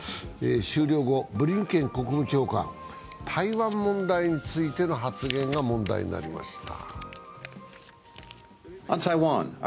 終了後、ブリンケン国務長官、台湾問題についての発言が問題になりました。